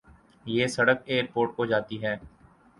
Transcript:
یہ سڑک airport کو جاتی ہے